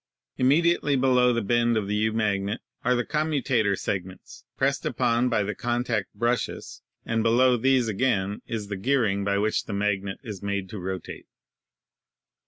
Im mediately below the bend of the U magnet are the com mutator segments, pressed upon by the contact brushes, and below these again is the gearing by which the magnet is made to rotate.